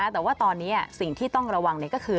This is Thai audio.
แต่ว่าตอนนี้สิ่งที่ต้องระวังก็คือ